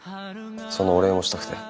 そのお礼をしたくて。